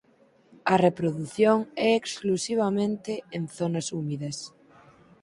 A reprodución é exclusivamente en zonas húmidas.